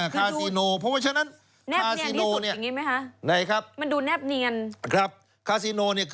คาซีโนเพราะว่าฉะนั้นคาซีโนนี่